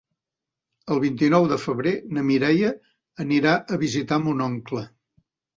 El vint-i-nou de febrer na Mireia anirà a visitar mon oncle.